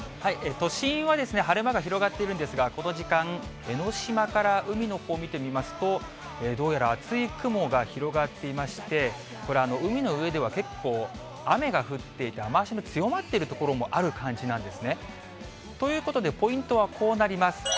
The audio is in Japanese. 都心は晴れ間が広がっているんですが、この時間、江の島から海のほう見てみますと、どうやら厚い雲が広がっていまして、これ、海の上では結構、雨が降っていて、雨足の強まっている所もある感じなんですね。ということで、ポイントはこうなります。